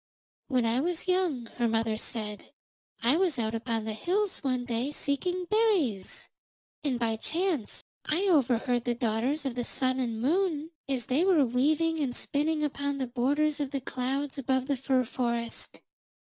'When I was young,' her mother said, 'I was out upon the hills one day seeking berries. And by chance I overheard the daughters of the Sun and Moon as they were weaving and spinning upon the borders of the clouds above the fir forest.